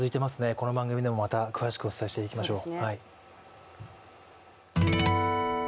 この番組でもまた詳しくお伝えしていきましょう。